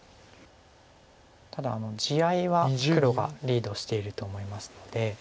ただ地合いは黒がリードしていると思いますので。